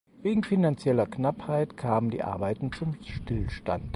Wegen finanzieller Knappheit kamen die Arbeiten zum Stillstand.